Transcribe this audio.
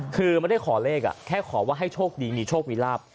คือไม่ได้ขอเลขแค่ขอว่าให้โชคดีมีโชคมีลาบ